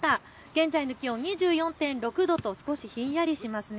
現在の気温、２４．６度と少しひんやりしますね。